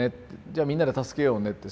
じゃあみんなで助けようねって